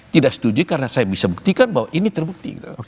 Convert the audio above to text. tidak setuju karena saya bisa buktikan bahwa ini terbukti